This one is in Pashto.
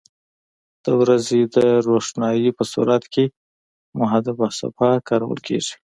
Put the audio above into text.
د ورځې د روښنایي په صورت کې محدبه صفحه کارول کیږي.